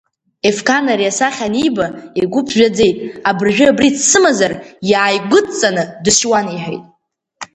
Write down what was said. Ефқан ари асахьа аниба игәы ԥжәаӡеит абыржәы абри дсымазар, иааигәыдҵаны дысшьуан иҳәеит.